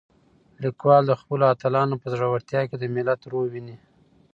لیکوال د خپلو اتلانو په زړورتیا کې د ملت روح وینه.